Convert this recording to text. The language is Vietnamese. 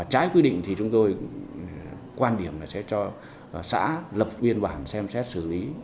trái quy định thì chúng tôi quan điểm là sẽ cho xã lập biên bản xem xét xử lý